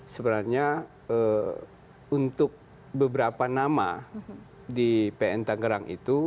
sebenarnya untuk beberapa nama di pn tangerang itu